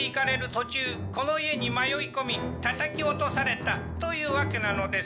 途中この家に迷い込みたたき落とされたというわけなのです。